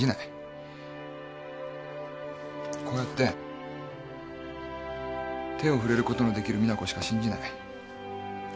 こうやって手を触れることのできる実那子しか信じない。